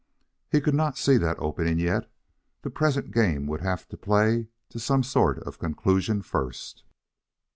He could not see that opening yet. The present game would have to play to some sort of a conclusion first.